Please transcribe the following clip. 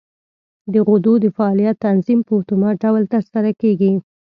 د غدو د فعالیت تنظیم په اتومات ډول تر سره کېږي.